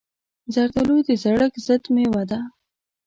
زردالو د زړښت ضد مېوه ده.